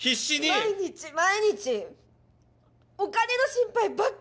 毎日毎日お金の心配ばっかり！